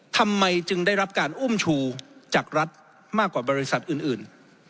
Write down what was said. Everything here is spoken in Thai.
ทำไมจึงได้รับการอุ้มชูจากรัฐมากกว่าบริษัทอื่น